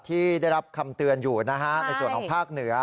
ที่ได้รับคำเตือนอยู่นะฮะในส่วนของภาคเหนือ